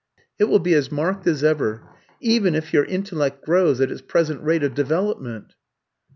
"It will be as marked as ever, even if your intellect grows at its present rate of development."